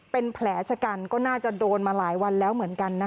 เป็นแผลชะกันก็น่าจะโดนมาหลายวันแล้วเหมือนกันนะคะ